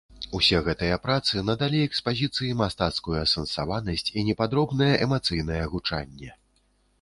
Усе гэтыя працы надалі экспазіцыі мастацкую асэнсаванасць і непадробнае эмацыйнае гучанне.